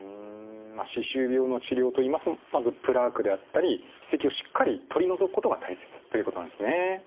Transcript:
歯周病の治療といいますとまずプラークであったり歯石をしっかり取り除くことが大切ということなんですね。